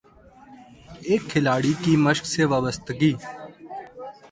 ایک کھلاڑی کی مشق سے وابستگی